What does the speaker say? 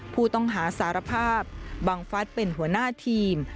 ผู้ต้องหาสารภาพบังฟัฐเป็นหัวหน้าทีม